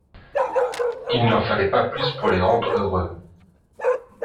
Il n’en fallait pas plus pour les rendre heureux.